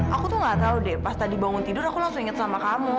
aku tuh gak tau deh pas tadi bangun tidur aku langsung inget sama kamu